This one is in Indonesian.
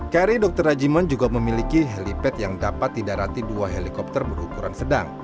kri dr rajiman juga memiliki helipad yang dapat didarati dua helikopter berukuran sedang